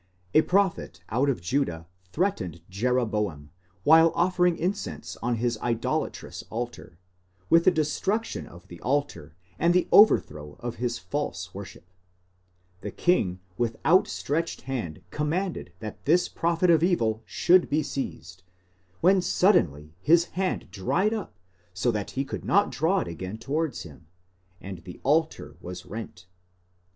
A prophet out of Judah threatened Jeroboam, while offering incense on his idolatrous altar, with the destruction of the altar and the overthrow of his false worship; the king with outstretched hand com manded that this prophet of evil should be seized, when suddenly his hand dried up so that he could not draw it again towards him, and the altar was rent.